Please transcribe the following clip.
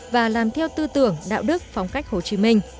và làm theo tư tưởng đạo đức phong cách hồ chí minh